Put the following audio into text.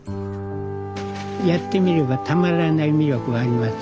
やってみればたまらない魅力あります